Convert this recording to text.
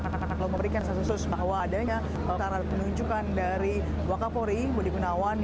kalau memberikan sensus bahwa adanya penunjukan dari wakapori budi gunawan